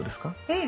ええ。